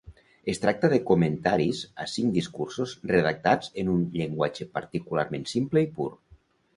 Es tracta de comentaris a cinc discursos, redactats en un llenguatge particularment simple i pur.